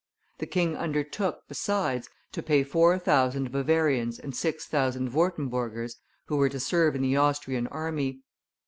The king undertook, besides, to pay four thousand Bavarians and six thousand Wurtemburgers, who were to serve in the Austrian army.